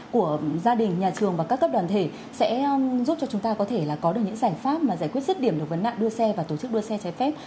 của gia đình nhà trường và các cấp đoàn thể sẽ giúp cho chúng ta có thể có được những giải pháp mà giải quyết rứt điểm được vấn nạn đua xe và tổ chức đua xe trái phép